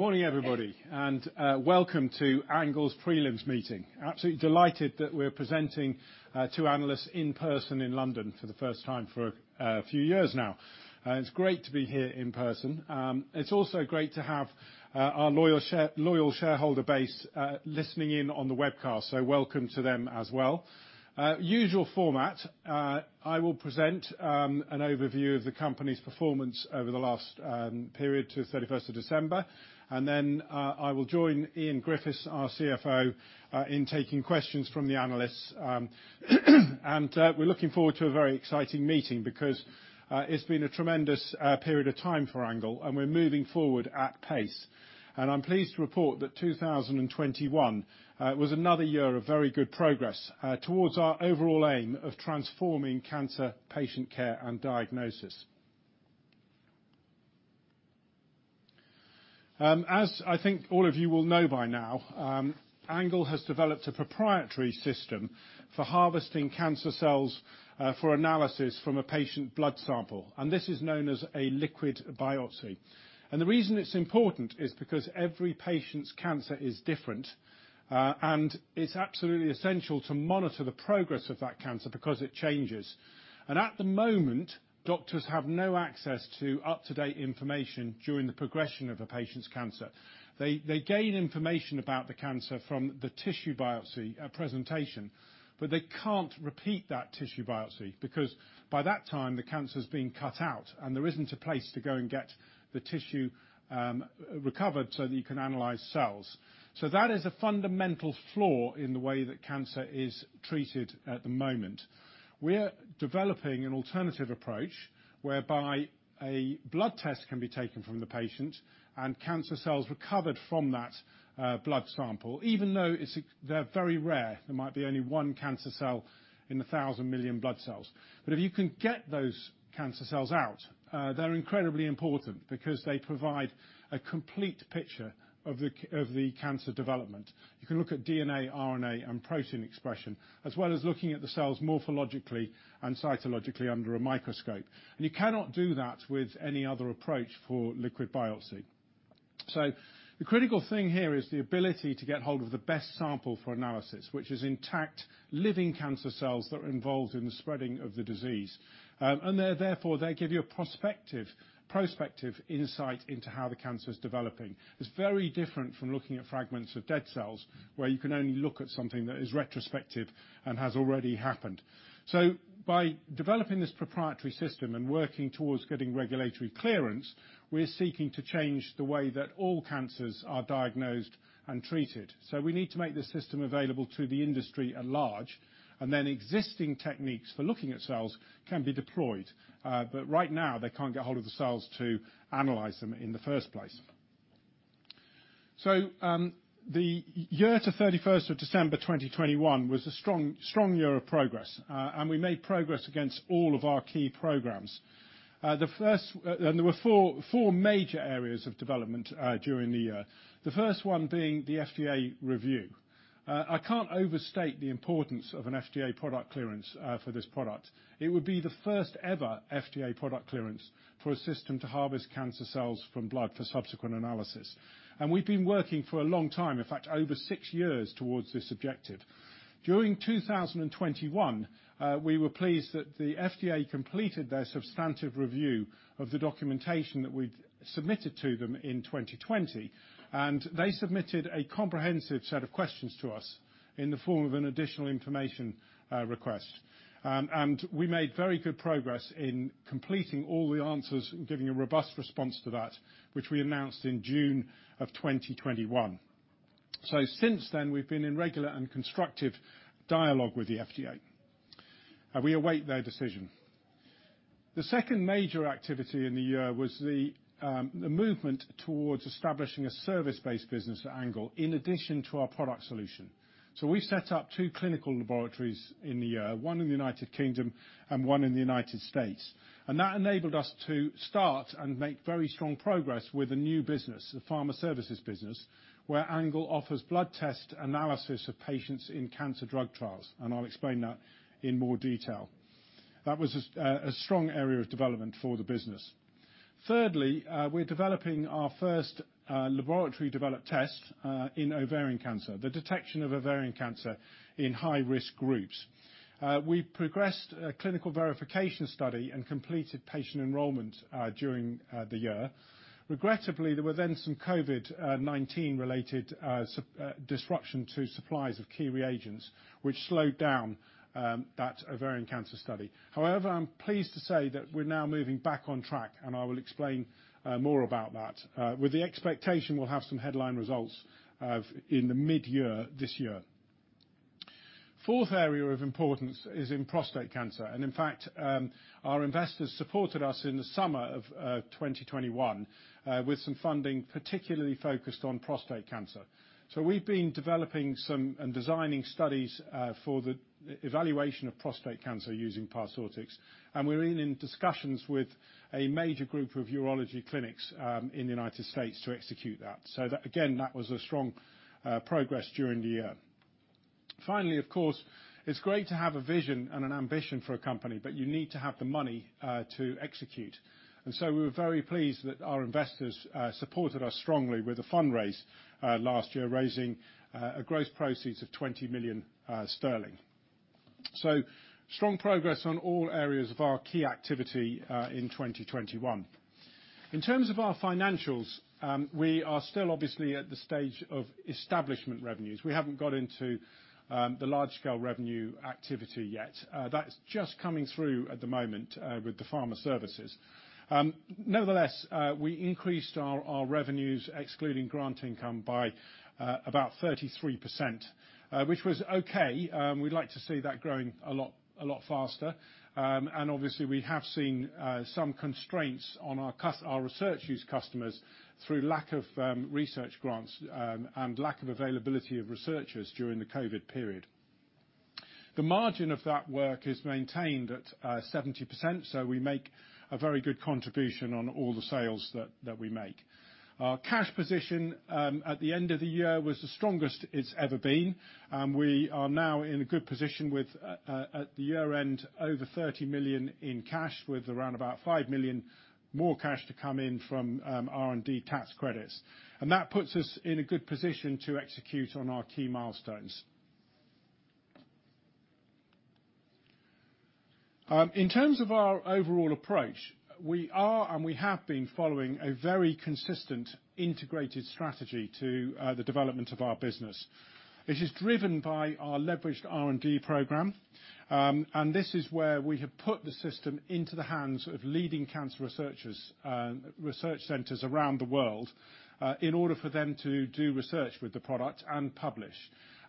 Morning everybody, welcome to ANGLE's prelims meeting. Absolutely delighted that we're presenting to analysts in person in London for the first time for a few years now. It's great to be here in person. It's also great to have our loyal shareholder base listening in on the webcast. Welcome to them as well. Usual format, I will present an overview of the company's performance over the last period to 31st of December, and then I will join Ian Griffiths, our CFO, in taking questions from the analysts. We're looking forward to a very exciting meeting because it's been a tremendous period of time for ANGLE, and we're moving forward at pace. I'm pleased to report that 2021 was another year of very good progress towards our overall aim of transforming cancer patient care and diagnosis. As I think all of you will know by now, ANGLE has developed a proprietary system for harvesting cancer cells for analysis from a patient blood sample, and this is known as a liquid biopsy. The reason it's important is because every patient's cancer is different, and it's absolutely essential to monitor the progress of that cancer because it changes. At the moment, doctors have no access to up-to-date information during the progression of a patient's cancer. They gain information about the cancer from the tissue biopsy presentation, but they can't repeat that tissue biopsy because by that time, the cancer's been cut out and there isn't a place to go and get the tissue recovered so that you can analyze cells. That is a fundamental flaw in the way that cancer is treated at the moment. We're developing an alternative approach whereby a blood test can be taken from the patient and cancer cells recovered from that blood sample, even though they're very rare. There might be only one cancer cell in 1,000 million blood cells. But if you can get those cancer cells out, they're incredibly important because they provide a complete picture of the cancer development. You can look at DNA, RNA, and protein expression, as well as looking at the cells morphologically and cytologically under a microscope. You cannot do that with any other approach for liquid biopsy. The critical thing here is the ability to get hold of the best sample for analysis, which is intact living cancer cells that are involved in the spreading of the disease. They're therefore they give you a prospective insight into how the cancer is developing. It's very different from looking at fragments of dead cells, where you can only look at something that is retrospective and has already happened. By developing this proprietary system and working towards getting regulatory clearance, we're seeking to change the way that all cancers are diagnosed and treated. We need to make this system available to the industry at large, and then existing techniques for looking at cells can be deployed. Right now, they can't get hold of the cells to analyze them in the first place. The year to 31st December 2021 was a strong year of progress. We made progress against all of our key programs. There were four major areas of development during the year. The first one being the FDA review. I can't overstate the importance of an FDA product clearance for this product. It would be the first ever FDA product clearance for a system to harvest cancer cells from blood for subsequent analysis. We've been working for a long time, in fact, over six years towards this objective. During 2021, we were pleased that the FDA completed their substantive review of the documentation that we'd submitted to them in 2020. They submitted a comprehensive set of questions to us in the form of an additional information request. We made very good progress in completing all the answers and giving a robust response to that, which we announced in June of 2021. Since then, we've been in regular and constructive dialogue with the FDA, and we await their decision. The second major activity in the year was the movement towards establishing a service-based business at ANGLE, in addition to our product solution. We set up two clinical laboratories in the year, one in the United Kingdom and one in the United States. That enabled us to start and make very strong progress with a new business, the pharma services business, where CelLBxHealth offers blood test analysis of patients in cancer drug trials. I'll explain that in more detail. That was a strong area of development for the business. Thirdly, we're developing our first laboratory developed test in ovarian cancer, the detection of ovarian cancer in high-risk groups. We progressed a clinical verification study and completed patient enrollment during the year. Regrettably, there were then some COVID-19 related disruption to supplies of key reagents, which slowed down that ovarian cancer study. However, I'm pleased to say that we're now moving back on track, and I will explain more about that with the expectation we'll have some headline results in the mid-year this year. Fourth area of importance is in prostate cancer. In fact, our investors supported us in the summer of 2021 with some funding particularly focused on prostate cancer. We've been developing some and designing studies for the evaluation of prostate cancer using Parsortix, and we're in discussions with a major group of urology clinics in the United States to execute that. That again, that was a strong progress during the year. Finally, of course, it's great to have a vision and an ambition for a company, but you need to have the money to execute. We were very pleased that our investors supported us strongly with a fundraise last year, raising a gross proceeds of 20 million sterling. Strong progress on all areas of our key activity in 2021. In terms of our financials, we are still obviously at the stage of establishment revenues. We haven't got into the large-scale revenue activity yet. That's just coming through at the moment with the pharma services. Nevertheless, we increased our revenues, excluding grant income, by about 33%, which was okay. We'd like to see that growing a lot faster. Obviously we have seen some constraints on our research use customers through lack of research grants and lack of availability of researchers during the COVID period. The margin of that work is maintained at 70%, so we make a very good contribution on all the sales that we make. Our cash position at the end of the year was the strongest it's ever been. We are now in a good position with, at the year-end, over 30 million in cash, with around about 5 million more cash to come in from, R&D tax credits. That puts us in a good position to execute on our key milestones. In terms of our overall approach, we are and we have been following a very consistent integrated strategy to, the development of our business, which is driven by our leveraged R&D program. This is where we have put the system into the hands of leading cancer researchers, research centers around the world, in order for them to do research with the product and publish.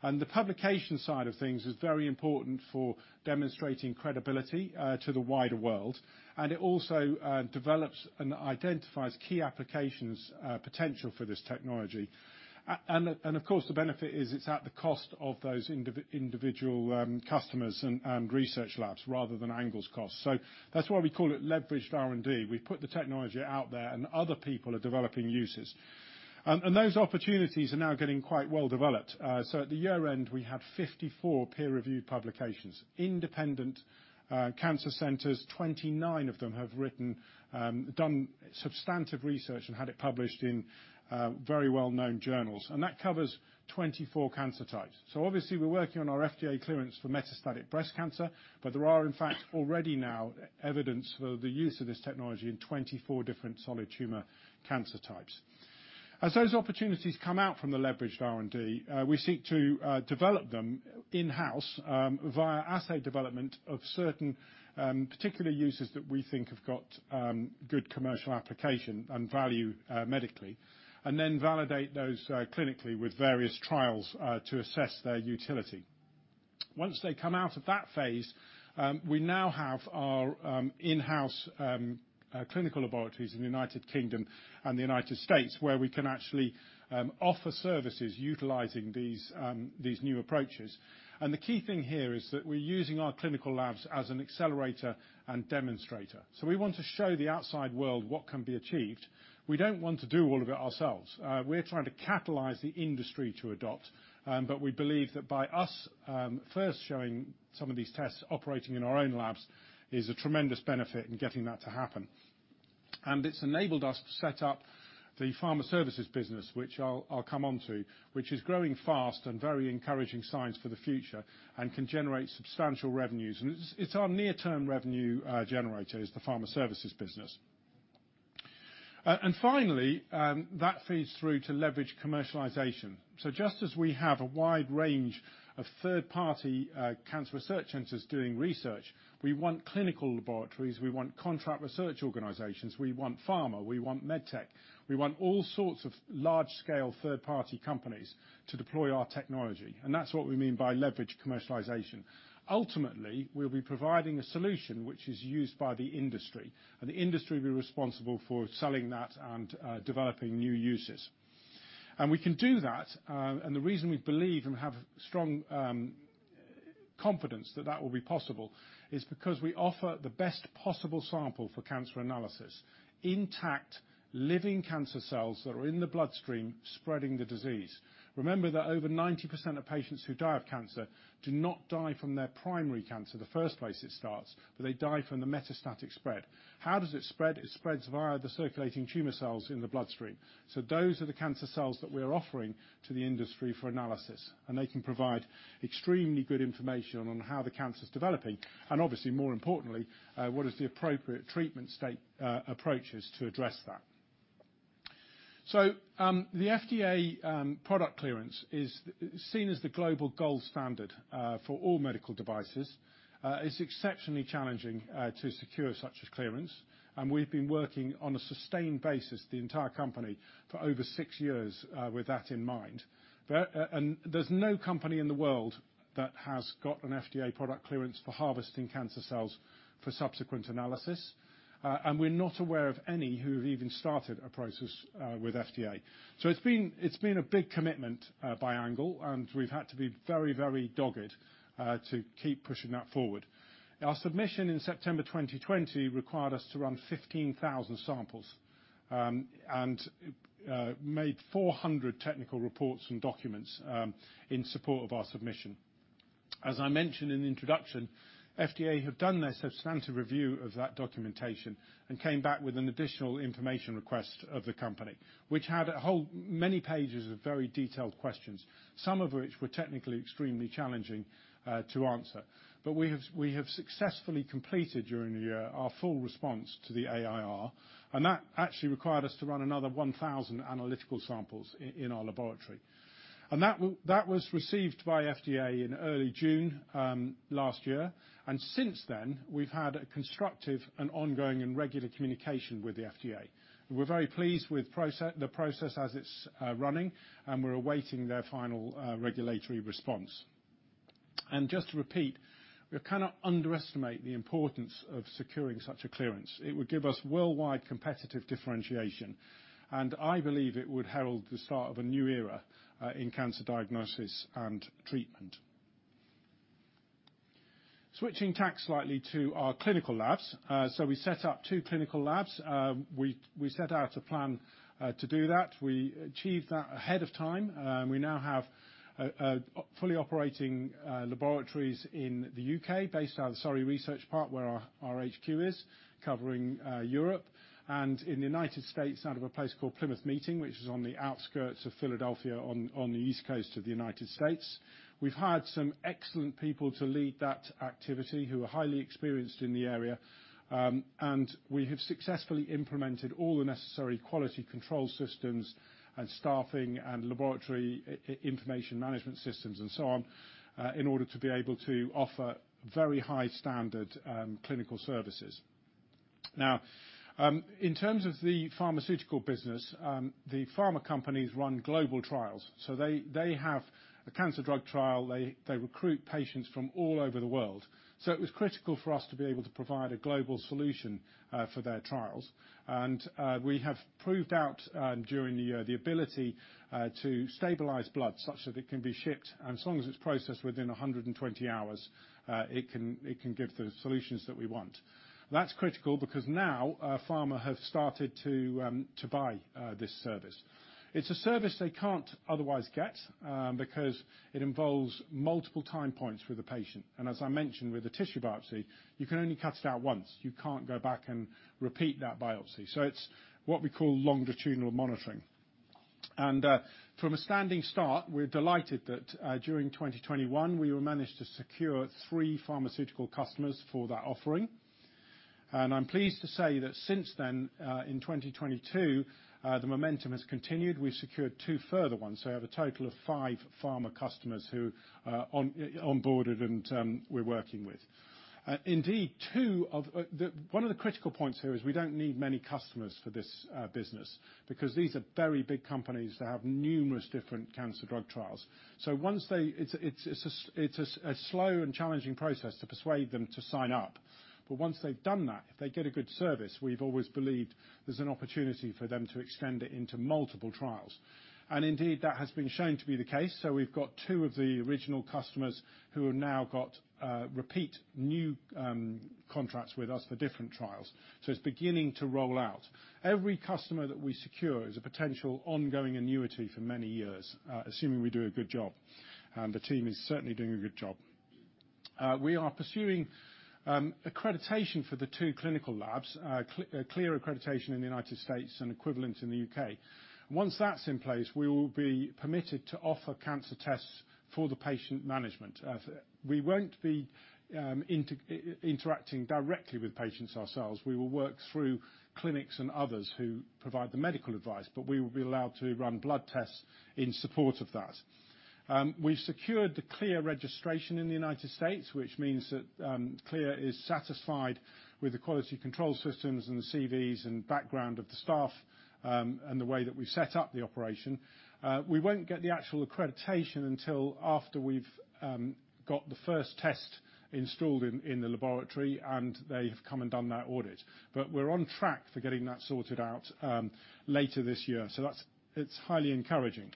The publication side of things is very important for demonstrating credibility, to the wider world, and it also, develops and identifies key applications, potential for this technology. Of course, the benefit is it's at the cost of those individual customers and research labs rather than ANGLE's cost. That's why we call it leveraged R&D. We put the technology out there, and other people are developing uses. Those opportunities are now getting quite well developed. At the year-end, we had 54 peer-reviewed publications, independent cancer centers. 29 of them have done substantive research and had it published in very well-known journals. That covers 24 cancer types. Obviously we're working on our FDA clearance for metastatic breast cancer, but there are in fact already now evidence for the use of this technology in 24 different solid tumor cancer types. As those opportunities come out from the leveraged R&D, we seek to develop them in-house, via assay development of certain, particular uses that we think have got, good commercial application and value, medically, and then validate those, clinically with various trials, to assess their utility. Once they come out of that phase, we now have our, in-house, clinical laboratories in the United Kingdom and the United States, where we can actually, offer services utilizing these new approaches. The key thing here is that we're using our clinical labs as an accelerator and demonstrator. We want to show the outside world what can be achieved. We don't want to do all of it ourselves. We're trying to catalyze the industry to adopt, but we believe that by us first showing some of these tests operating in our own labs is a tremendous benefit in getting that to happen. It's enabled us to set up the pharma services business, which I'll come on to, which is growing fast and very encouraging signs for the future and can generate substantial revenues. It's our near-term revenue generator, is the pharma services business. Finally, that feeds through to leverage commercialization. Just as we have a wide range of third-party cancer research centers doing research, we want clinical laboratories, we want contract research organizations, we want pharma, we want med tech. We want all sorts of large-scale third-party companies to deploy our technology, and that's what we mean by leverage commercialization. Ultimately, we'll be providing a solution which is used by the industry, and the industry will be responsible for selling that and developing new uses. We can do that, and the reason we believe and have strong confidence that that will be possible is because we offer the best possible sample for cancer analysis: intact, living cancer cells that are in the bloodstream spreading the disease. Remember that over 90% of patients who die of cancer do not die from their primary cancer, the first place it starts, but they die from the metastatic spread. How does it spread? It spreads via the circulating tumor cells in the bloodstream. Those are the cancer cells that we're offering to the industry for analysis, and they can provide extremely good information on how the cancer's developing and obviously more importantly, what is the appropriate treatment strategy approaches to address that. The FDA product clearance is seen as the global gold standard for all medical devices. It's exceptionally challenging to secure such a clearance, and we've been working on a sustained basis, the entire company, for over six years with that in mind. There's no company in the world that has got an FDA product clearance for harvesting cancer cells for subsequent analysis, and we're not aware of any who have even started a process with FDA. It's been a big commitment by ANGLE, and we've had to be very, very dogged to keep pushing that forward. Our submission in September 2020 required us to run 15,000 samples and made 400 technical reports and documents in support of our submission. As I mentioned in the introduction, FDA have done their substantive review of that documentation and came back with an additional information request of the company, which had a whole many pages of very detailed questions, some of which were technically extremely challenging to answer. We have successfully completed during the year our full response to the AIR, and that actually required us to run another 1,000 analytical samples in our laboratory. That was received by FDA in early June last year. Since then, we've had a constructive and ongoing and regular communication with the FDA. We're very pleased with the process as it's running, and we're awaiting their final regulatory response. Just to repeat, we cannot underestimate the importance of securing such a clearance. It would give us worldwide competitive differentiation, and I believe it would herald the start of a new era in cancer diagnosis and treatment. Switching tack slightly to our clinical labs. We set up two clinical labs. We set out a plan to do that. We achieved that ahead of time. We now have fully operating laboratories in the UK based out of the Surrey Research Park, where our HQ is covering Europe, and in the United States, out of a place called Plymouth Meeting, which is on the outskirts of Philadelphia on the East Coast of the United States. We've had some excellent people to lead that activity who are highly experienced in the area, and we have successfully implemented all the necessary quality control systems and staffing and laboratory information management systems and so on, in order to be able to offer very high standard clinical services. Now, in terms of the pharmaceutical business, the pharma companies run global trials. They have a cancer drug trial. They recruit patients from all over the world. It was critical for us to be able to provide a global solution for their trials. We have proved out during the year the ability to stabilize blood such that it can be shipped, and as long as it's processed within 120 hours, it can give the solutions that we want. That's critical because now pharma have started to buy this service. It's a service they can't otherwise get because it involves multiple time points for the patient. As I mentioned with the tissue biopsy, you can only cut it out once. You can't go back and repeat that biopsy. It's what we call longitudinal monitoring. From a standing start, we're delighted that during 2021 we managed to secure three pharmaceutical customers for that offering. I'm pleased to say that since then, in 2022, the momentum has continued. We've secured two further ones. We have a total of five pharma customers who onboarded, and we're working with. Indeed, one of the critical points here is we don't need many customers for this business, because these are very big companies that have numerous different cancer drug trials. It's a slow and challenging process to persuade them to sign up. Once they've done that, if they get a good service, we've always believed there's an opportunity for them to extend it into multiple trials. Indeed, that has been shown to be the case. We've got two of the original customers who have now got repeat new contracts with us for different trials. It's beginning to roll out. Every customer that we secure is a potential ongoing annuity for many years, assuming we do a good job, and the team is certainly doing a good job. We are pursuing accreditation for the two clinical labs, CLIA accreditation in the United States and equivalent in the UK. Once that's in place, we will be permitted to offer cancer tests for the patient management. We won't be interacting directly with patients ourselves. We will work through clinics and others who provide the medical advice, but we will be allowed to run blood tests in support of that. We've secured the CLIA registration in the United States, which means that CLIA is satisfied with the quality control systems and the CVs and background of the staff, and the way that we've set up the operation. We won't get the actual accreditation until after we've got the first test installed in the laboratory, and they have come and done that audit. We're on track for getting that sorted out later this year. That's highly encouraging.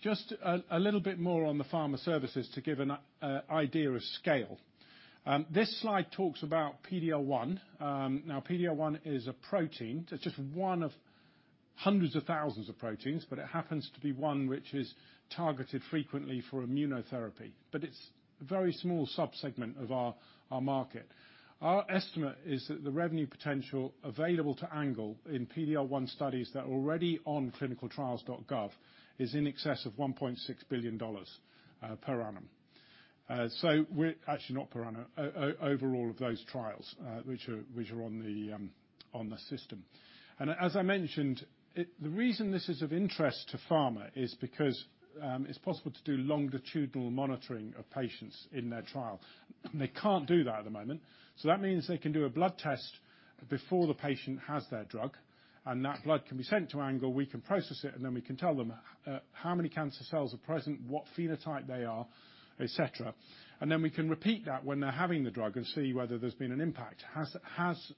Just a little bit more on the pharma services to give an idea of scale. This slide talks about PD-L1. Now, PD-L1 is a protein. It's just one of hundreds of thousands of proteins, but it happens to be one which is targeted frequently for immunotherapy, but it's a very small subsegment of our market. Our estimate is that the revenue potential available to Angle in PD-L1 studies that are already on ClinicalTrials.gov is in excess of $1.6 billion overall of those trials, which are on the system. As I mentioned, the reason this is of interest to pharma is because it's possible to do longitudinal monitoring of patients in their trial. They can't do that at the moment. That means they can do a blood test before the patient has their drug, and that blood can be sent to Angle, we can process it, and then we can tell them how many cancer cells are present, what phenotype they are, et cetera. We can repeat that when they're having the drug and see whether there's been an impact. Has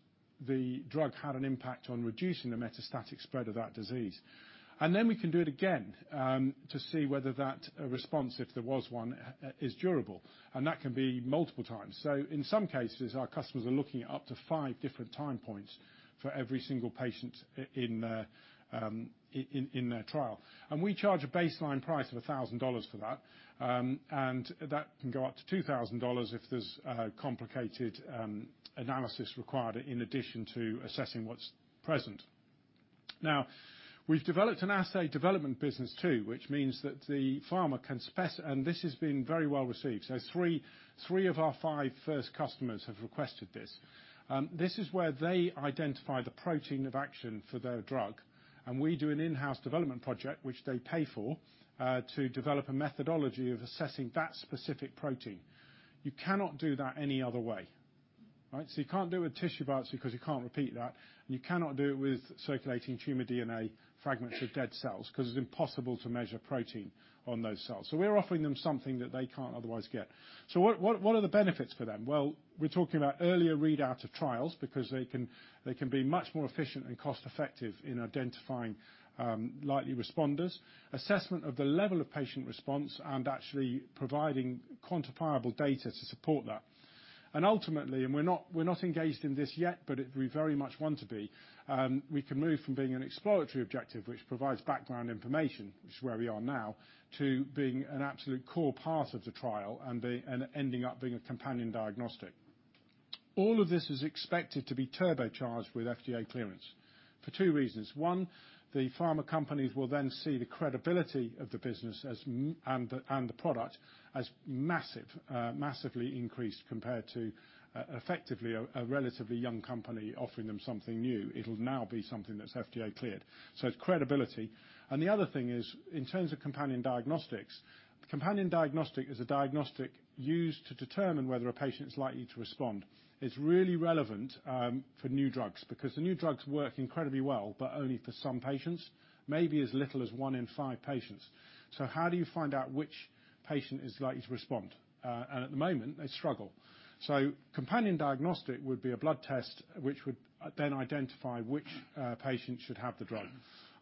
the drug had an impact on reducing the metastatic spread of that disease. Then we can do it again to see whether that response, if there was one, is durable, and that can be multiple times. In some cases, our customers are looking at up to five different time points for every single patient in their trial. We charge a baseline price of $1,000 for that. That can go up to $2,000 if there's a complicated analysis required in addition to assessing what's present. Now, we've developed an assay development business too, which means that the pharma can spec. This has been very well received. Three of our five first customers have requested this. This is where they identify the protein of action for their drug, and we do an in-house development project which they pay for, to develop a methodology of assessing that specific protein. You cannot do that any other way. Right? You can't do a tissue biopsy because you can't repeat that, and you cannot do it with circulating tumor DNA fragments of dead cells because it's impossible to measure protein on those cells. We're offering them something that they can't otherwise get. What are the benefits for them? Well, we're talking about earlier readout of trials because they can be much more efficient and cost-effective in identifying likely responders, assessment of the level of patient response and actually providing quantifiable data to support that. Ultimately, we're not engaged in this yet, but we very much want to be. We can move from being an exploratory objective, which provides background information, which is where we are now, to being an absolute core part of the trial and ending up being a companion diagnostic. All of this is expected to be turbocharged with FDA clearance for two reasons. One, the pharma companies will then see the credibility of the business and the product as massively increased compared to effectively a relatively young company offering them something new. It'll now be something that's FDA cleared, so it's credibility. The other thing is, in terms of companion diagnostics, companion diagnostic is a diagnostic used to determine whether a patient is likely to respond. It's really relevant for new drugs because the new drugs work incredibly well, but only for some patients, maybe as little as one in five patients. How do you find out which patient is likely to respond? At the moment, they struggle. Companion diagnostic would be a blood test which would then identify which patient should have the drug.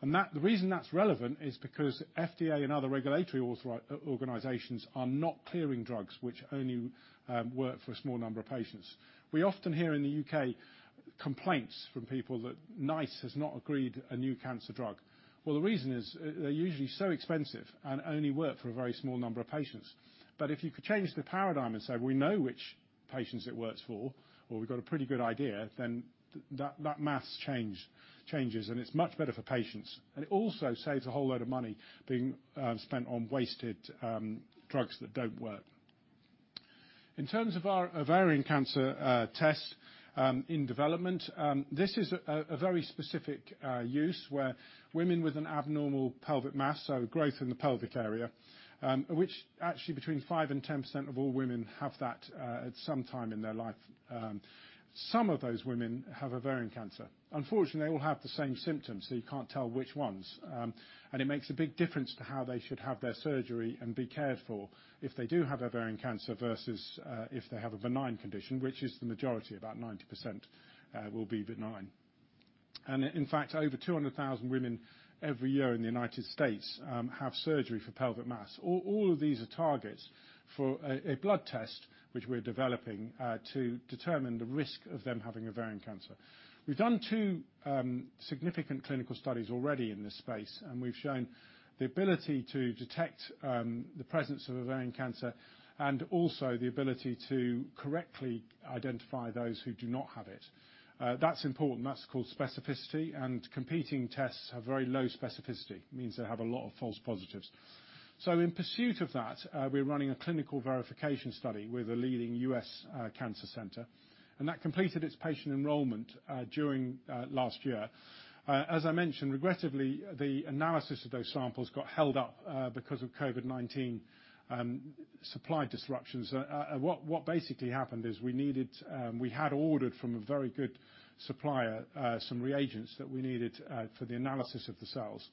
The reason that's relevant is because FDA and other regulatory organizations are not clearing drugs which only work for a small number of patients. We often hear in the UK complaints from people that NICE has not agreed a new cancer drug. Well, the reason is, they're usually so expensive and only work for a very small number of patients. If you could change the paradigm and say, we know which patients it works for, or we've got a pretty good idea, then that maths changes, and it's much better for patients. It also saves a whole load of money being spent on wasted drugs that don't work. In terms of our ovarian cancer test in development, this is a very specific use where women with an abnormal pelvic mass, so growth in the pelvic area, which actually between 5%-10% of all women have that at some time in their life. Some of those women have ovarian cancer. Unfortunately, they all have the same symptoms, so you can't tell which ones. It makes a big difference to how they should have their surgery and be cared for if they do have ovarian cancer versus if they have a benign condition, which is the majority, about 90%, will be benign. In fact, over 200,000 women every year in the United States have surgery for pelvic mass. All of these are targets for a blood test which we're developing to determine the risk of them having ovarian cancer. We've done two significant clinical studies already in this space, and we've shown the ability to detect the presence of ovarian cancer and also the ability to correctly identify those who do not have it. That's important. That's called specificity, and competing tests have very low specificity. It means they have a lot of false positives. In pursuit of that, we're running a clinical verification study with a leading U.S. cancer center, and that completed its patient enrollment during last year. As I mentioned, regrettably, the analysis of those samples got held up because of COVID-19 supply disruptions. What basically happened is we had ordered from a very good supplier some reagents that we needed for the analysis of the cells.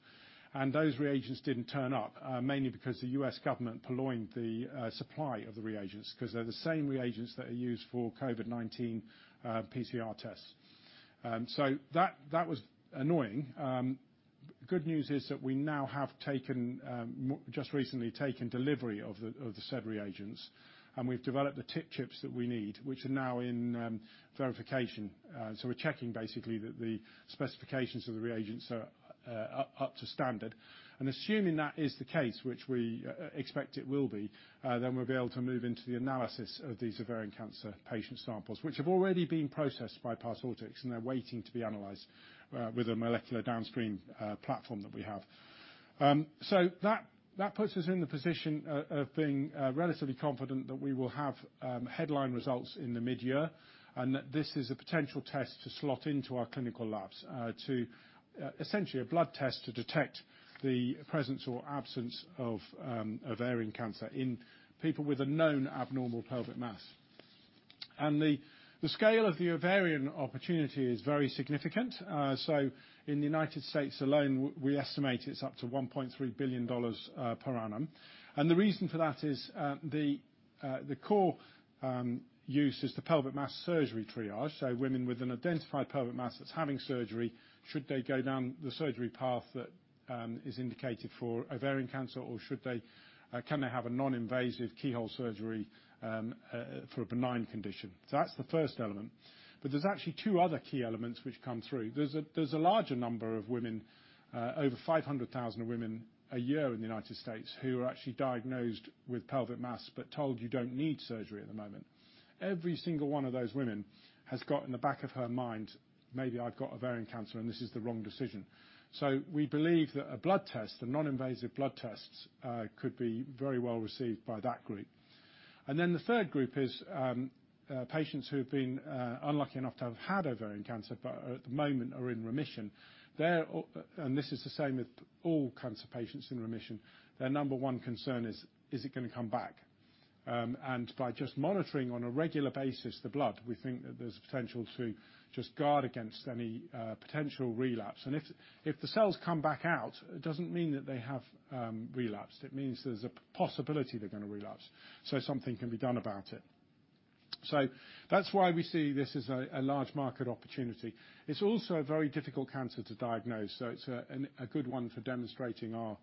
Those reagents didn't turn up mainly because the U.S. government purloined the supply of the reagents because they're the same reagents that are used for COVID-19 PCR tests. That was annoying. Good news is that we now have just recently taken delivery of the said reagents, and we've developed the tip chips that we need, which are now in verification. We're checking basically that the specifications of the reagents are up to standard. Assuming that is the case, which we expect it will be, then we'll be able to move into the analysis of these ovarian cancer patient samples, which have already been processed by Parsortix, and they're waiting to be analyzed with a molecular downstream platform that we have. That puts us in the position of being relatively confident that we will have headline results in the mid-year, and that this is a potential test to slot into our clinical labs to essentially a blood test to detect the presence or absence of ovarian cancer in people with a known abnormal pelvic mass. The scale of the ovarian opportunity is very significant. In the United States alone, we estimate it's up to $1.3 billion per annum. The reason for that is the core use is the pelvic mass surgery triage. Women with an identified pelvic mass that's having surgery, should they go down the surgery path that is indicated for ovarian cancer, or should they can they have a non-invasive keyhole surgery for a benign condition? That's the first element. There's actually two other key elements which come through. There's a larger number of women over 500,000 women a year in the United States who are actually diagnosed with pelvic mass but told you don't need surgery at the moment. Every single one of those women has got in the back of her mind, "Maybe I've got ovarian cancer, and this is the wrong decision." We believe that a blood test, a non-invasive blood test, could be very well received by that group. The third group is patients who have been unlucky enough to have had ovarian cancer but at the moment are in remission. This is the same with all cancer patients in remission. Their number one concern is it gonna come back? By just monitoring on a regular basis the blood, we think that there's potential to just guard against any potential relapse. If the cells come back out, it doesn't mean that they have relapsed. It means there's a possibility they're gonna relapse, so something can be done about it. That's why we see this as a large market opportunity. It's also a very difficult cancer to diagnose, so it's a good one for demonstrating our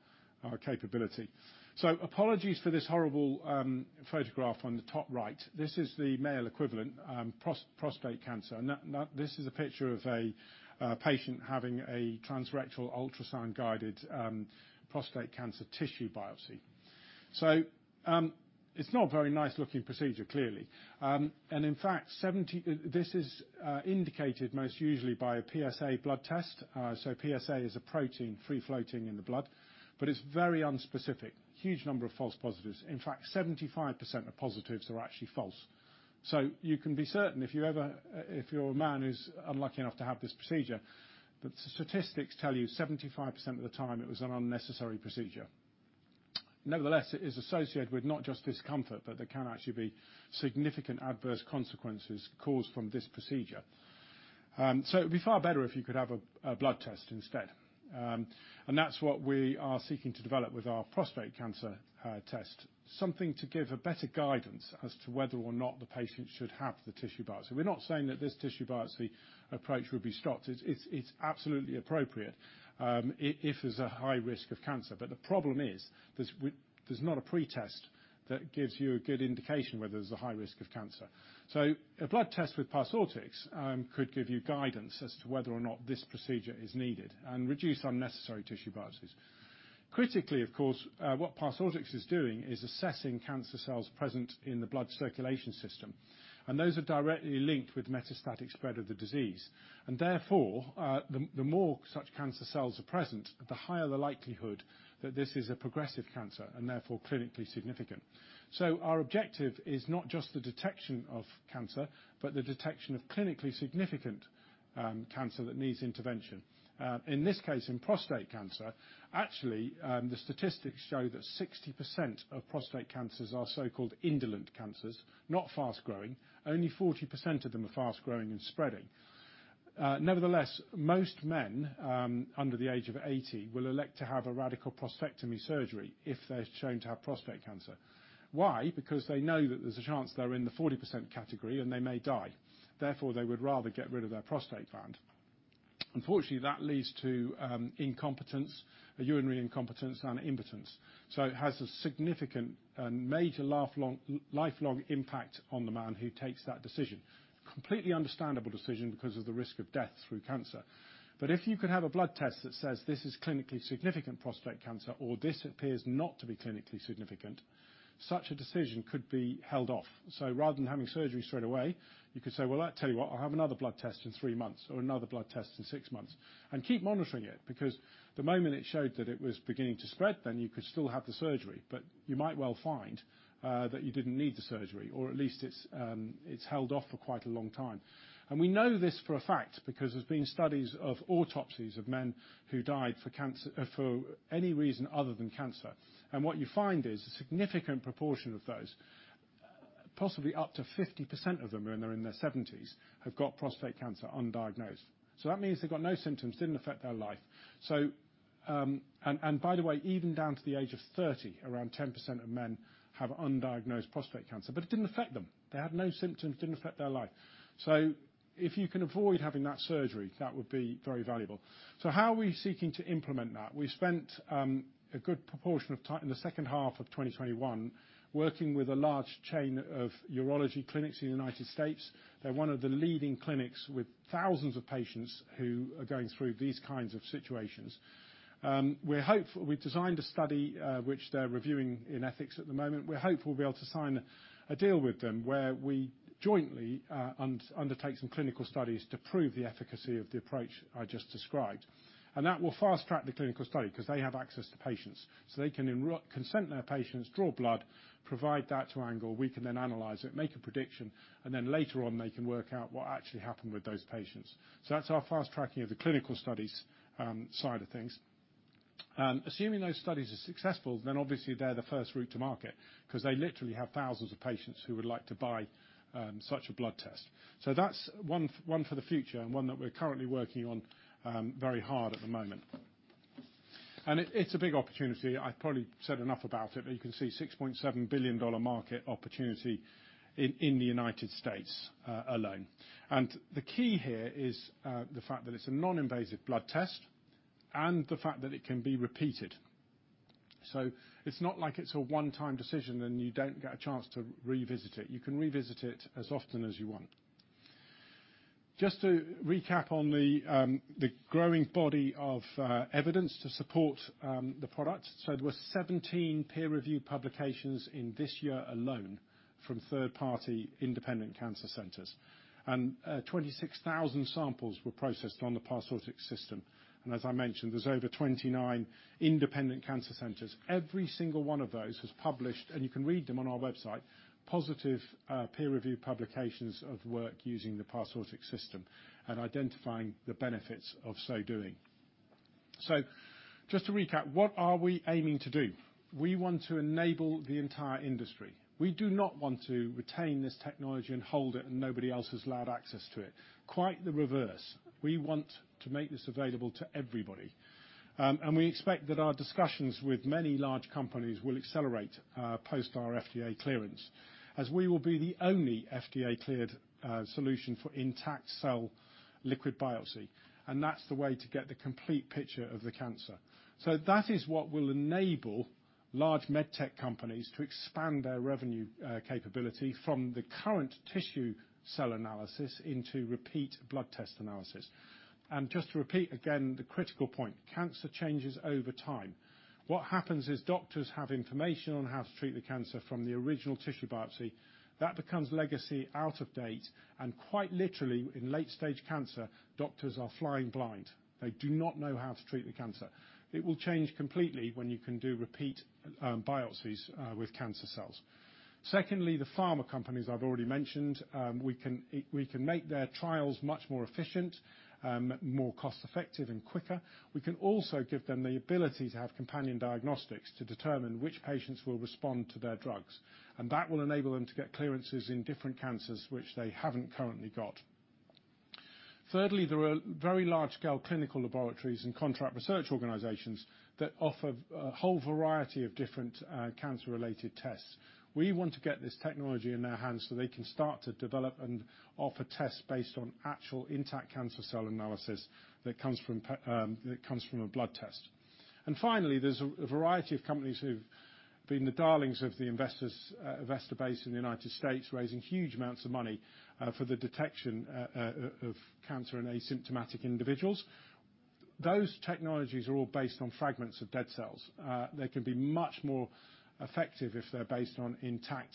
capability. Apologies for this horrible photograph on the top right. This is the male equivalent, prostate cancer. This is a picture of a patient having a transrectal ultrasound-guided prostate cancer tissue biopsy. It's not a very nice-looking procedure, clearly. In fact, this is indicated most usually by a PSA blood test. PSA is a protein free-floating in the blood, but it's very unspecific. Huge number of false positives. In fact, 75% of positives are actually false. You can be certain if you're a man who's unlucky enough to have this procedure, the statistics tell you 75% of the time it was an unnecessary procedure. Nevertheless, it is associated with not just discomfort, but there can actually be significant adverse consequences caused from this procedure. It'd be far better if you could have a blood test instead. That's what we are seeking to develop with our prostate cancer test, something to give a better guidance as to whether or not the patient should have the tissue biopsy. We're not saying that this tissue biopsy approach would be stopped. It's absolutely appropriate if there's a high risk of cancer. The problem is, there's not a pretest that gives you a good indication whether there's a high risk of cancer. A blood test with Parsortix could give you guidance as to whether or not this procedure is needed and reduce unnecessary tissue biopsies. Critically, of course, what Parsortix is doing is assessing cancer cells present in the blood circulation system, and those are directly linked with metastatic spread of the disease. Therefore, the more such cancer cells are present, the higher the likelihood that this is a progressive cancer and therefore clinically significant. Our objective is not just the detection of cancer, but the detection of clinically significant cancer that needs intervention. In this case, in prostate cancer, actually, the statistics show that 60% of prostate cancers are so-called indolent cancers, not fast-growing. Only 40% of them are fast-growing and spreading. Nevertheless, most men under the age of 80 will elect to have a radical prostatectomy surgery if they're shown to have prostate cancer. Why? Because they know that there's a chance they're in the 40% category, and they may die. Therefore, they would rather get rid of their prostate gland. Unfortunately, that leads to incontinence, a urinary incontinence, and impotence. It has a significant lifelong impact on the man who takes that decision. Completely understandable decision because of the risk of death through cancer. If you could have a blood test that says, "This is clinically significant prostate cancer," or, "This appears not to be clinically significant," such a decision could be held off. Rather than having surgery straight away, you could say, "Well, I tell you what, I'll have another blood test in three months or another blood test in six months," and keep monitoring it, because the moment it showed that it was beginning to spread, then you could still have the surgery. You might well find that you didn't need the surgery, or at least it's held off for quite a long time. We know this for a fact because there's been studies of autopsies of men who died from any reason other than cancer. What you find is a significant proportion of those, possibly up to 50% of them when they're in their 70s, have got prostate cancer undiagnosed. That means they've got no symptoms, didn't affect their life. By the way, even down to the age of 30, around 10% of men have undiagnosed prostate cancer, but it didn't affect them. They had no symptoms, didn't affect their life. If you can avoid having that surgery, that would be very valuable. How are we seeking to implement that? We spent a good proportion of time in the second half of 2021 working with a large chain of urology clinics in the United States. They're one of the leading clinics with thousands of patients who are going through these kinds of situations. We've designed a study, which they're reviewing in ethics at the moment. We're hopeful we'll be able to sign a deal with them where we jointly undertake some clinical studies to prove the efficacy of the approach I just described. That will fast-track the clinical study because they have access to patients, so they can consent their patients, draw blood, provide that to ANGLE, we can then analyze it, make a prediction, and then later on they can work out what actually happened with those patients. That's our fast-tracking of the clinical studies, side of things. Assuming those studies are successful, then obviously they're the first route to market because they literally have thousands of patients who would like to buy such a blood test. That's one for the future and one that we're currently working on very hard at the moment. It's a big opportunity. I've probably said enough about it, but you can see $6.7 billion market opportunity in the United States alone. The key here is the fact that it's a non-invasive blood test and the fact that it can be repeated. It's not like it's a one-time decision, and you don't get a chance to revisit it. You can revisit it as often as you want. Just to recap on the growing body of evidence to support the product. There were 17 peer-reviewed publications in this year alone from third-party independent cancer centers, and 26,000 samples were processed on the Parsortix system. As I mentioned, there's over 29 independent cancer centers. Every single one of those has published, and you can read them on our website, positive peer-reviewed publications of work using the Parsortix system and identifying the benefits of so doing. Just to recap, what are we aiming to do? We want to enable the entire industry. We do not want to retain this technology and hold it, and nobody else has allowed access to it. Quite the reverse. We want to make this available to everybody. We expect that our discussions with many large companies will accelerate post our FDA clearance, as we will be the only FDA-cleared solution for intact cell liquid biopsy. That's the way to get the complete picture of the cancer. That is what will enable large med tech companies to expand their revenue capability from the current tissue cell analysis into repeat blood test analysis. Just to repeat again the critical point, cancer changes over time. What happens is doctors have information on how to treat the cancer from the original tissue biopsy. That becomes legacy out of date, and quite literally, in late-stage cancer, doctors are flying blind. They do not know how to treat the cancer. It will change completely when you can do repeat biopsies with cancer cells. Secondly, the pharma companies I've already mentioned, we can make their trials much more efficient, more cost-effective and quicker. We can also give them the ability to have companion diagnostics to determine which patients will respond to their drugs. That will enable them to get clearances in different cancers which they haven't currently got. Thirdly, there are very large-scale clinical laboratories and contract research organizations that offer a whole variety of different cancer-related tests. We want to get this technology in their hands so they can start to develop and offer tests based on actual intact cancer cell analysis that comes from a blood test. Finally, there's a variety of companies who've been the darlings of the investors, investor base in the United States, raising huge amounts of money, for the detection of cancer in asymptomatic individuals. Those technologies are all based on fragments of dead cells. They can be much more effective if they're based on intact,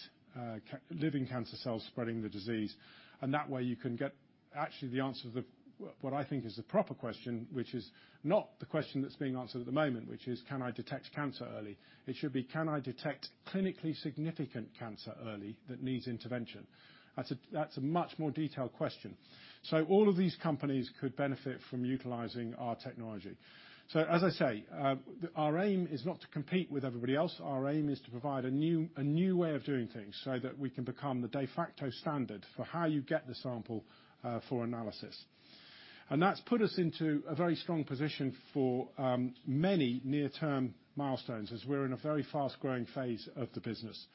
living cancer cells spreading the disease. That way, you can get actually the answer to the, what I think is the proper question, which is not the question that's being answered at the moment, which is, can I detect cancer early? It should be, can I detect clinically significant cancer early that needs intervention? That's a much more detailed question. All of these companies could benefit from utilizing our technology. As I say, our aim is not to compete with everybody else. Our aim is to provide a new way of doing things so that we can become the de facto standard for how you get the sample for analysis. That's put us into a very strong position for many near-term milestones, as we're in a very fast-growing phase of the business.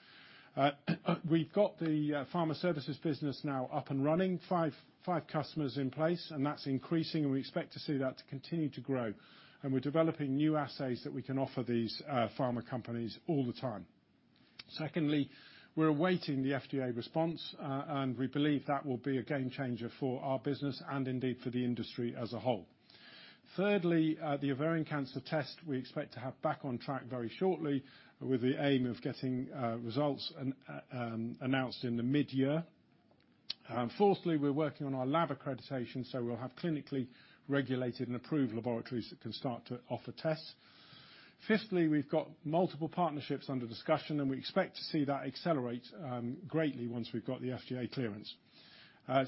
We've got the pharma services business now up and running, five customers in place, and that's increasing, and we expect to see that to continue to grow. We're developing new assays that we can offer these pharma companies all the time. Secondly, we're awaiting the FDA response, and we believe that will be a game changer for our business and indeed for the industry as a whole. Thirdly, the ovarian cancer test we expect to have back on track very shortly with the aim of getting results announced in the mid-year. Fourthly, we're working on our lab accreditation, so we'll have clinically regulated and approved laboratories that can start to offer tests. Fifthly, we've got multiple partnerships under discussion, and we expect to see that accelerate greatly once we've got the FDA clearance.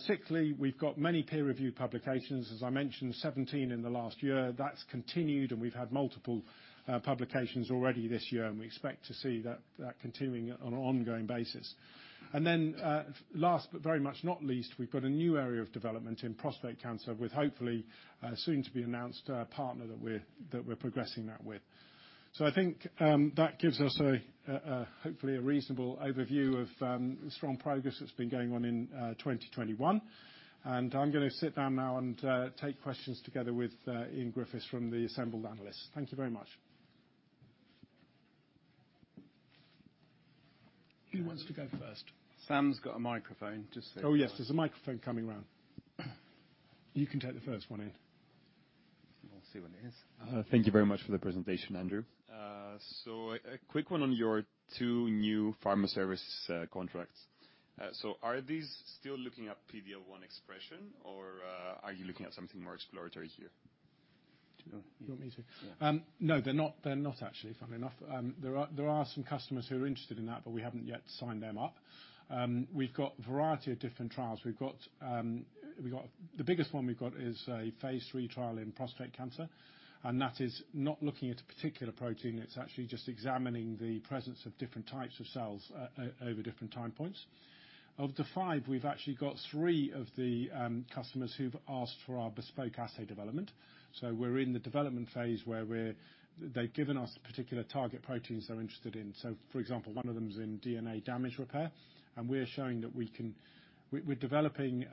Sixthly, we've got many peer-reviewed publications, as I mentioned, 17 in the last year. That's continued, and we've had multiple publications already this year, and we expect to see that continuing on an ongoing basis. Last but very much not least, we've got a new area of development in prostate cancer with hopefully a soon-to-be-announced partner that we're progressing that with. I think that gives us a hopefully reasonable overview of the strong progress that's been going on in 2021. I'm gonna sit down now and take questions together with Ian Griffiths from the assembled analysts. Thank you very much. Who wants to go first? Sam's got a microphone just so you know. Oh, yes. There's a microphone coming around. You can take the first one, Ian. We'll see what it is. Thank you very much for the presentation, Andrew. A quick one on your two new pharma service contracts. Are these still looking at PD-L1 expression, or are you looking at something more exploratory here? Do you want me to- Yeah. No, they're not actually, funnily enough. There are some customers who are interested in that, but we haven't yet signed them up. We've got a variety of different trials. The biggest one we've got is a phase III trial in prostate cancer, and that is not looking at a particular protein. It's actually just examining the presence of different types of cells over different time points. Of the five, we've actually got three of the customers who've asked for our bespoke assay development. We're in the development phase where they've given us the particular target proteins they're interested in. For example, one of them is in DNA damage repair, and we're showing that we can. We're developing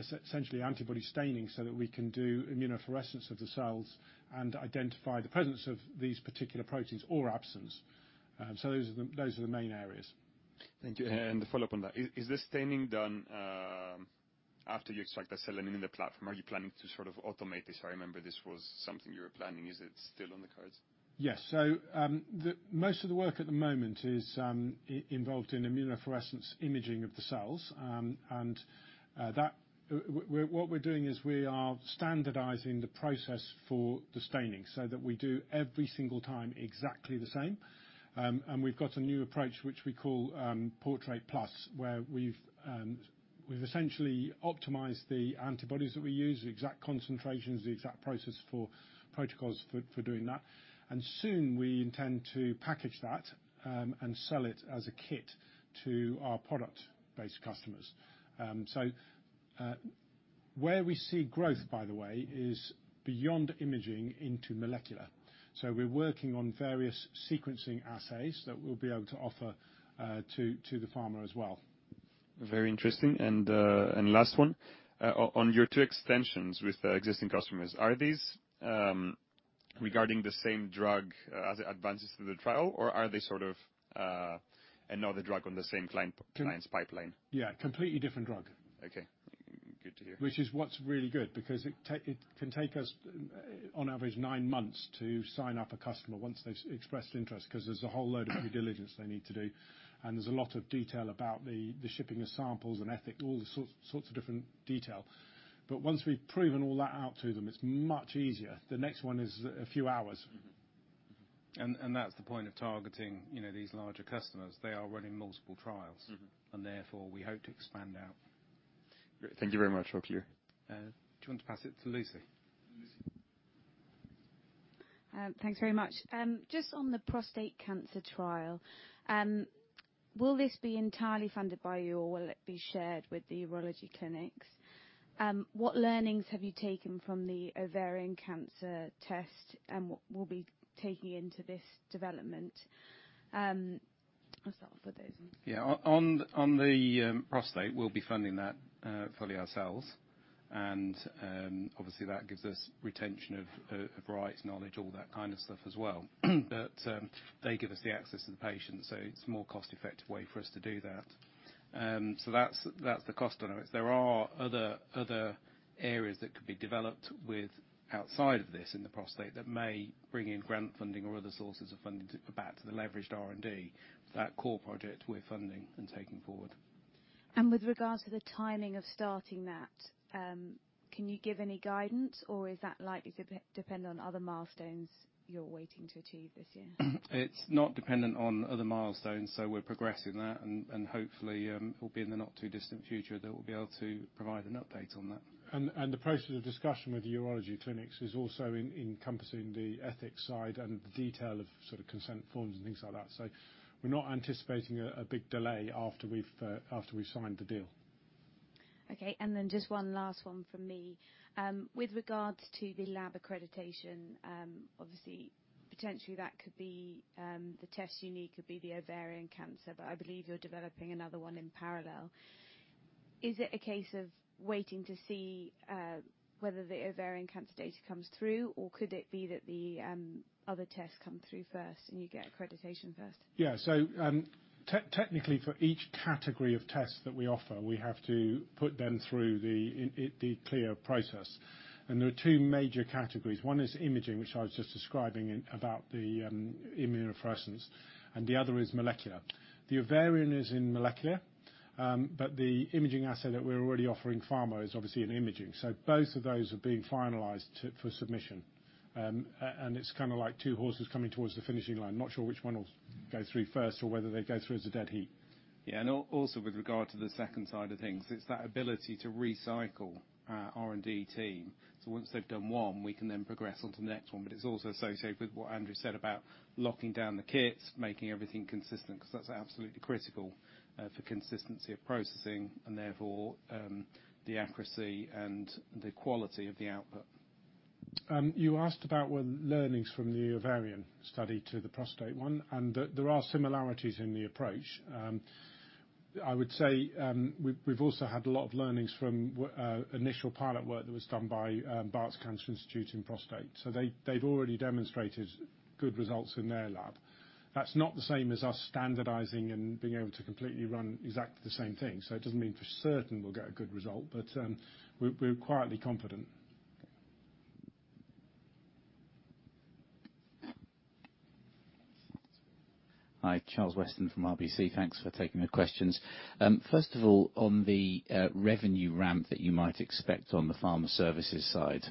essentially antibody staining so that we can do immunofluorescence of the cells and identify the presence of these particular proteins or absence. Those are the main areas. Thank you. To follow up on that, is the staining done after you extract that cell sample in the platform? Are you planning to sort of automate this? I remember this was something you were planning. Is it still on the cards? Yes. The most of the work at the moment is involved in immunofluorescence imaging of the cells, and what we're doing is we are standardizing the process for the staining so that we do every single time exactly the same. We've got a new approach which we call Portrait+, where we've essentially optimized the antibodies that we use, the exact concentrations, the exact process for protocols for doing that. Soon, we intend to package that and sell it as a kit to our product-based customers. Where we see growth, by the way, is beyond imaging into molecular. We're working on various sequencing assays that we'll be able to offer to the pharma as well. Very interesting. Last one. On your two extensions with existing customers, are these regarding the same drug as it advances through the trial, or are they sort of another drug on the same client's pipeline? Yeah, completely different drug. Okay. Good to hear. Which is what's really good because it can take us, on average, nine months to sign up a customer once they've expressed interest, 'cause there's a whole load of due diligence they need to do, and there's a lot of detail about the shipping of samples and ethics, all the sorts of different detail. But once we've proven all that out to them, it's much easier. The next one is a few hours. That's the point of targeting, you know, these larger customers. They are running multiple trials. Mm-hmm. We hope to expand out. Thank you very much. All CLIA. Do you want to pass it to Lucy? Lucy. Thanks very much. Just on the prostate cancer trial, will this be entirely funded by you, or will it be shared with the urology clinics? What learnings have you taken from the ovarian cancer test and we'll be taking into this development? I'll start off with those ones. On the prostate, we'll be funding that fully ourselves. Obviously, that gives us retention of rights, knowledge, all that kind of stuff as well. They give us the access to the patient, so it's a more cost-effective way for us to do that. That's the cost dynamics. There are other areas that could be developed with outside of this in the prostate that may bring in grant funding or other sources of funding to back to the leveraged R&D. That core project we're funding and taking forward. With regards to the timing of starting that, can you give any guidance, or is that likely to depend on other milestones you're waiting to achieve this year? It's not dependent on other milestones, so we're progressing that, and hopefully, it'll be in the not too distant future that we'll be able to provide an update on that. The process of discussion with the urology clinics is also encompassing the ethics side and the detail of sort of consent forms and things like that. We're not anticipating a big delay after we've signed the deal. Okay. Then just one last one from me. With regards to the lab accreditation, obviously, potentially that could be, the test you need could be the ovarian cancer, but I believe you're developing another one in parallel. Is it a case of waiting to see, whether the ovarian cancer data comes through, or could it be that the other tests come through first and you get accreditation first? Yeah. Technically, for each category of tests that we offer, we have to put them through the CLIA process. There are two major categories. One is imaging, which I was just describing about the immunofluorescence, and the other is molecular. The ovarian is in molecular, but the imaging assay that we're already offering pharma is obviously in imaging. Both of those are being finalized for submission. It's kinda like two horses coming towards the finishing line. Not sure which one will go through first or whether they go through as a dead heat. Also with regard to the second side of things, it's that ability to recycle our R&D team. Once they've done one, we can then progress onto the next one, but it's also associated with what Andrew said about locking down the kits, making everything consistent, 'cause that's absolutely critical for consistency of processing and therefore the accuracy and the quality of the output. You asked about what learnings from the ovarian study to the prostate one, and there are similarities in the approach. I would say, we've also had a lot of learnings from initial pilot work that was done by Barts Cancer Institute in prostate. They've already demonstrated good results in their lab. That's not the same as us standardizing and being able to completely run exactly the same thing. It doesn't mean for certain we'll get a good result, but we're quietly confident. Hi, Charles Weston from RBC. Thanks for taking the questions. First of all, on the revenue ramp that you might expect on the pharma services side,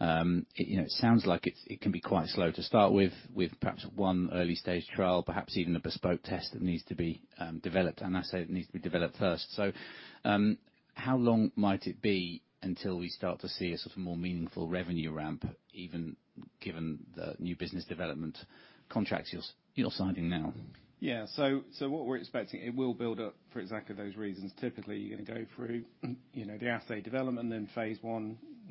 it you know sounds like it can be quite slow to start with perhaps one early stage trial, perhaps even a bespoke test that needs to be developed, and as it needs to be developed first. How long might it be until we start to see a sort of more meaningful revenue ramp, even given the new business development contracts you're signing now? Yeah. What we're expecting, it will build up for exactly those reasons. Typically, you're gonna go through, you know, the assay development, then phase I,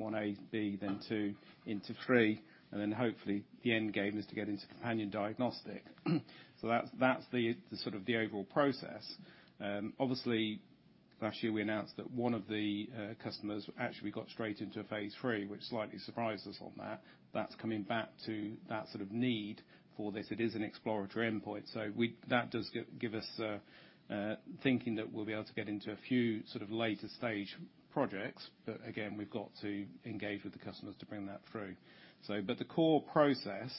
IA to IB, then II into III, and then hopefully the end game is to get into companion diagnostic. That's the sort of overall process. Obviously, last year we announced that one of the customers actually got straight into a phase III, which slightly surprised us on that. That's coming back to that sort of need for this. It is an exploratory endpoint, that does give us a thinking that we'll be able to get into a few sort of later stage projects, but again, we've got to engage with the customers to bring that through. The core process,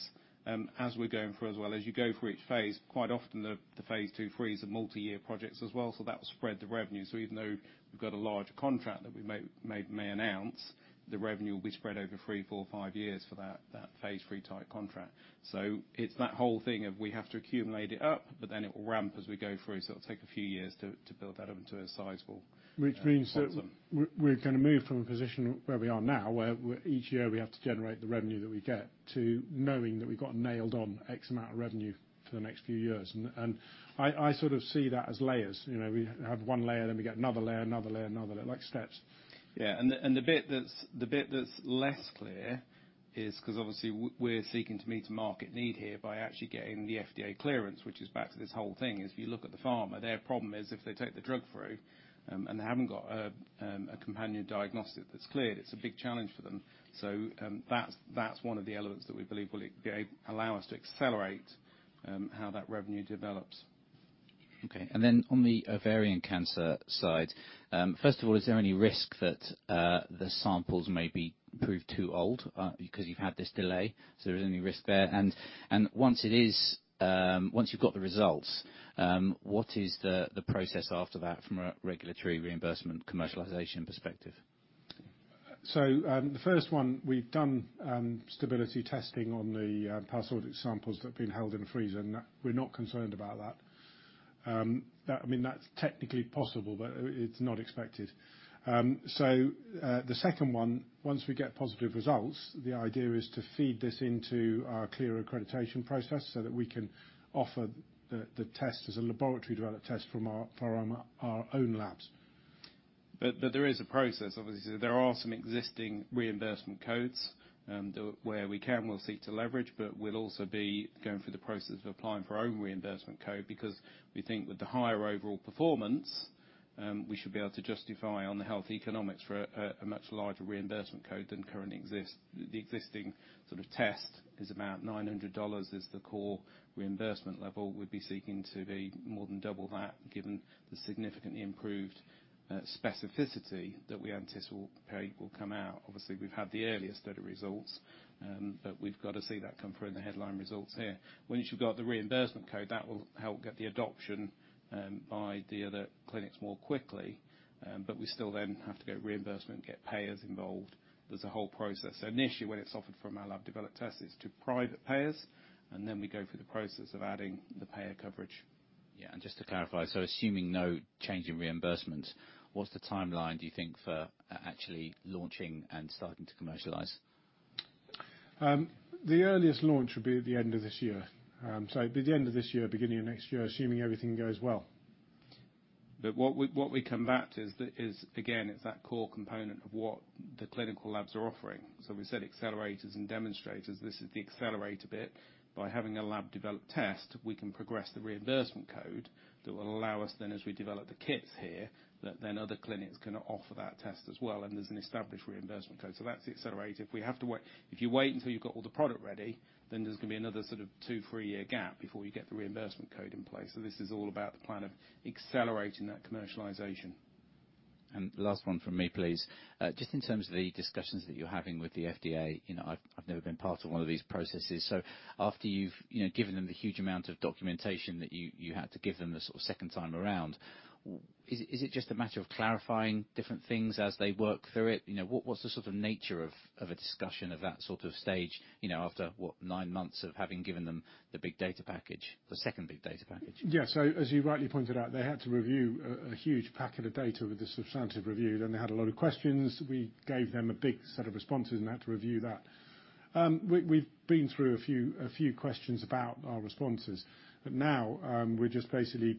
as we're going through, as well as you go through each phase, quite often the phase two fees are multi-year projects as well, so that will spread the revenue. Even though we've got a large contract that we may announce, the revenue will be spread over three, four, five years for that phase III type contract. It's that whole thing of we have to accumulate it up, but then it will ramp as we go through. It'll take a few years to build that up into a sizable bottom line. Which means that we're gonna move from a position where we are now, where each year we have to generate the revenue that we get, to knowing that we've got nailed on X amount of revenue for the next few years. I sort of see that as layers. You know, we have one layer, then we get another layer, another layer, another layer, like steps. Yeah. The bit that's less CLIA is 'cause obviously we're seeking to meet market need here by actually getting the FDA clearance, which is back to this whole thing. If you look at the pharma, their problem is if they take the drug through and they haven't got a companion diagnostic that's cleared, it's a big challenge for them. That's one of the elements that we believe will allow us to accelerate how that revenue develops. Okay. Then on the ovarian cancer side, first of all, is there any risk that the samples may be proved too old because you've had this delay? Is there any risk there? Once you've got the results, what is the process after that from a regulatory reimbursement commercialization perspective? The first one we've done stability testing on the Parsortix samples that have been held in freeze, and we're not concerned about that. That, I mean, that's technically possible, but it's not expected. The second one, once we get positive results, the idea is to feed this into our CLIA accreditation process so that we can offer the test as a laboratory-developed test from our own labs. There is a process, obviously. There are some existing reimbursement codes that we can, we'll seek to leverage, but we'll also be going through the process of applying for our own reimbursement code, because we think with the higher overall performance, we should be able to justify on the health economics for a much larger reimbursement code than currently exists. The existing sort of test is about $900, is the core reimbursement level. We'd be seeking to be more than double that given the significantly improved specificity that we anticipate will come out. Obviously, we've had the earlier study results, but we've got to see that come through in the headline results here. Once you've got the reimbursement code, that will help get the adoption by the other clinics more quickly. We still then have to get reimbursement, get payers involved. There's a whole process. Initially, when it's offered from our lab developed test, is to private payers, and then we go through the process of adding the payer coverage. Yeah. Just to clarify, so assuming no change in reimbursement, what's the timeline, do you think, for actually launching and starting to commercialize? The earliest launch would be at the end of this year. It'd be the end of this year, beginning of next year, assuming everything goes well. What we come back to is, again, it's that core component of what the clinical labs are offering. We said accelerators and demonstrators. This is the accelerator bit. By having a lab-developed test, we can progress the reimbursement code that will allow us then, as we develop the kits here, that then other clinics can offer that test as well. There's an established reimbursement code. That's the accelerator. If you wait until you've got all the product ready, then there's gonna be another sort of two, three-year gap before you get the reimbursement code in place. This is all about the plan of accelerating that commercialization. Last one from me, please. Just in terms of the discussions that you're having with the FDA, you know, I've never been part of one of these processes. After you've, you know, given them the huge amount of documentation that you had to give them the sort of second time around, is it just a matter of clarifying different things as they work through it? You know, what's the sort of nature of a discussion of that sort of stage, you know, after nine months of having given them the big data package, the second big data package? Yeah. As you rightly pointed out, they had to review a huge packet of data with the substantive review. They had a lot of questions. We gave them a big set of responses and they had to review that. We've been through a few questions about our responses. Now, we're just basically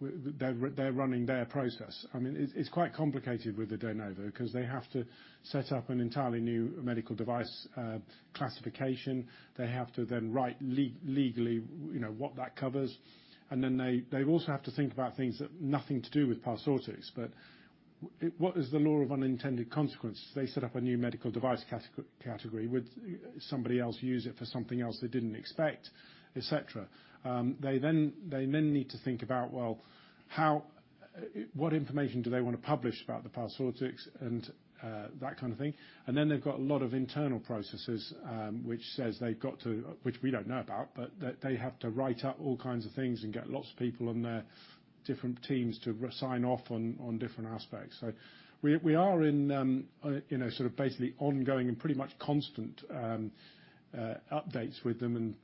they're running their process. I mean, it's quite complicated with the de novo 'cause they have to set up an entirely new medical device classification. They have to then write legally, you know, what that covers. Then they also have to think about things that nothing to do with Parsortix, but what is the law of unintended consequences? They set up a new medical device category. Would somebody else use it for something else they didn't expect, et cetera? They need to think about, well, how what information do they wanna publish about the Parsortix and that kind of thing. They've got a lot of internal processes, which we don't know about, but that they have to write up all kinds of things and get lots of people on their different teams to sign off on different aspects. We are in, you know, sort of basically ongoing and pretty much constant updates with them and,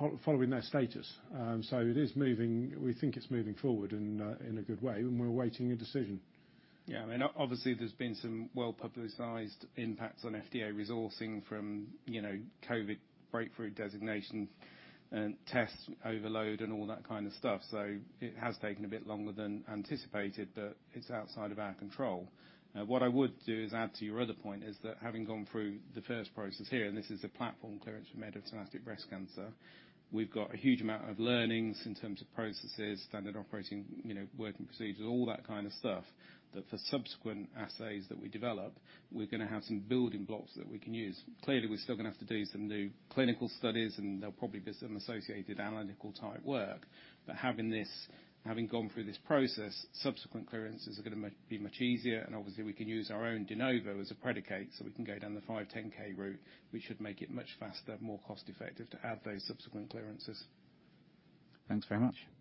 you know, following their status. It is moving. We think it's moving forward in a good way, and we're awaiting a decision. Yeah. I mean, obviously there's been some well-publicized impacts on FDA resourcing from, you know, COVID breakthrough designations and tests overload and all that kind of stuff. It has taken a bit longer than anticipated, but it's outside of our control. What I would do is add to your other point, is that having gone through the first process here, and this is a platform clearance for metastatic breast cancer, we've got a huge amount of learnings in terms of processes, standard operating, you know, working procedures, all that kind of stuff, that for subsequent assays that we develop, we're gonna have some building blocks that we can use. Clearly, we're still gonna have to do some new clinical studies, and there'll probably be some associated analytical type work. Having this, having gone through this process, subsequent clearances are gonna be much easier. Obviously we can use our own de novo as a predicate, so we can go down the 510(k) route, which should make it much faster, more cost effective to have those subsequent clearances. Thanks very much.